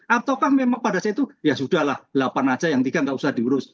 ataukah memang pada saat itu ya sudah lah delapan aja yang tiga nggak usah diurus